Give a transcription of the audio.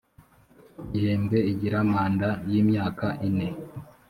gihembwe igira manda y imyaka ine